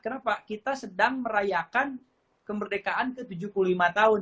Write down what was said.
kenapa kita sedang merayakan kemerdekaan ke tujuh puluh lima tahun